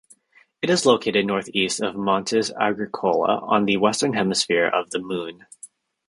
It is located north-east of Montes Agricola on the western hemisphere of the Moon.